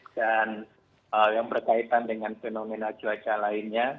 dan yang berkaitan dengan fenomena cuaca lainnya